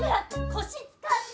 腰使って。